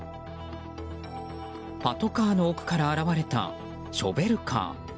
パトカーの奥から現れたショベルカー。